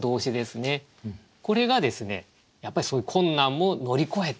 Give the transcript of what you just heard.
これがやっぱりそういう困難も乗り越えて